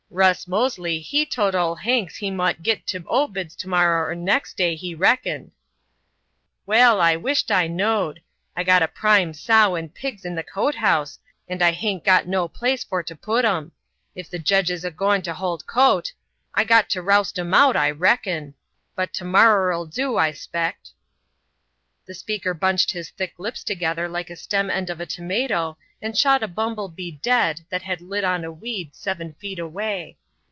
Russ Mosely he tote ole Hanks he mought git to Obeds tomorrer or nex' day he reckoned." "Well, I wisht I knowed. I got a 'prime sow and pigs in the cote house, and I hain't got no place for to put 'em. If the jedge is a gwyne to hold cote, I got to roust 'em out, I reckon. But tomorrer'll do, I 'spect." The speaker bunched his thick lips together like the stem end of a tomato and shot a bumble bee dead that had lit on a weed seven feet away.